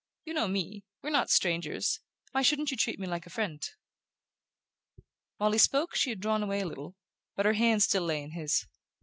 You know me we're not strangers why shouldn't you treat me like a friend?" While he spoke she had drawn away a little, but her hand still lay in his.